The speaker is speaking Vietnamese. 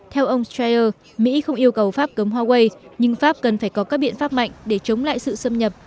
theo ông strayer mỹ không yêu cầu pháp cấm huawei nhưng pháp cần phải có các biện pháp mạnh để chống lại sự xâm nhập